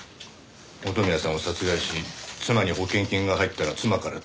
元宮さんを殺害し妻に保険金が入ったら妻から取り立てる。